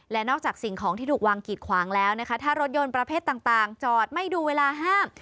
และนอกจากสิ่งของที่ถูกวางกีดขวางแล้วนะคะถ้ารถยนต์ประเภทต่างจอดไม่ดูเวลาห้าม